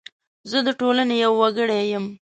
زه د ټولنې یو وګړی یم .